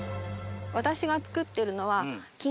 私が作ってるのは。